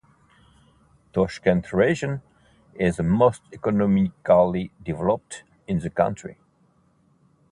Toshkent Region is the most economically developed in the country.